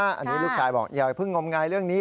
อันนี้ลูกชายบอกอย่าเพิ่งงมงายเรื่องนี้